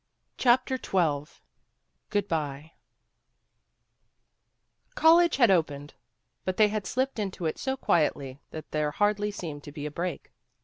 CHAPTER XII GOOD BY COLLEGE had opened; but they had slipped into it so quietly that there hardly seemed to be a break.